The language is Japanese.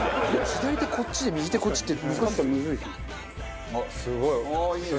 左手こっちで右手こっちって難しいですよ。